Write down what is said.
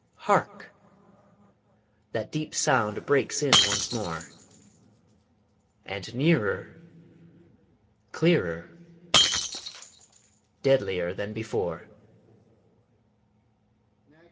_ hark! that deep sound breaks in once more, And nearer! clearer! deadlier than before.